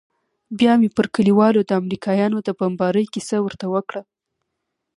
بيا مې پر كليوالو د امريکايانو د بمبارۍ كيسه ورته وكړه.